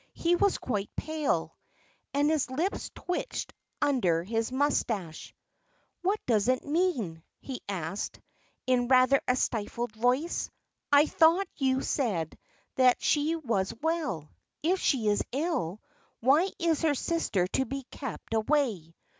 He was quite pale, and his lips twitched under his moustache. "What does it mean?" he asked, in rather a stifled voice. "I thought you said that she was well. If she is ill, why is her sister to be kept away?